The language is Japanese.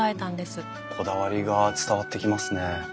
こだわりが伝わってきますね。